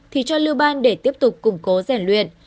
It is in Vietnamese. thì cho lưu ban để tiếp tục củng cố rèn luyện